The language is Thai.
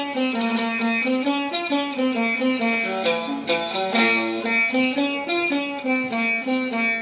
เป็นผสมไม้